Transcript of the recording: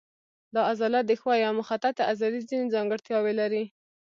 دا عضله د ښویې او مخططې عضلې ځینې ځانګړتیاوې لري.